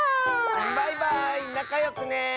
バイバーイなかよくね。